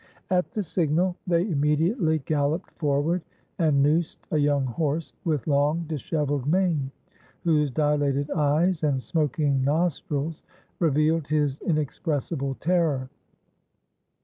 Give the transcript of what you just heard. At the signal, they immediately galloped forward and noosed a young horse with long dishevelled mane, whose dilated eyes and smoking nostrils revealed his inexpressible terror.